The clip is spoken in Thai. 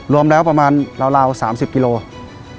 รวมแล้วประมาณราว๓๐กิโลกรัม